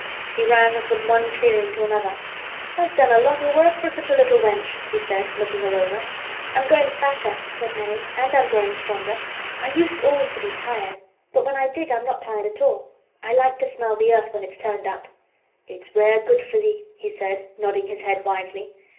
He ran from one clearing to another. "Tha' has done a lot o' work for such a little wench," he said, looking her over. "I'm growing fatter," said Mary, "and I'm growing stronger. I used always to be tired. When I dig I'm not tired at all. I like to smell the earth when it's turned up." "It's rare good for thee," he said, nodding his head wisely.